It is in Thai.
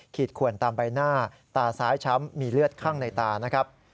ขวนตามใบหน้าตาซ้ายช้ำมีเลือดข้างในตานะครับ